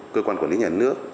cơ quan quản lý nhà nước